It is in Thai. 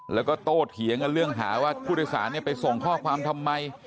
แล้วก็โตเถียงกันเรื่องหาว่าผู้โดยสารไปส่งข้อความทำไม